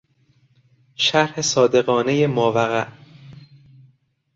شرح صادقانهی ماوقع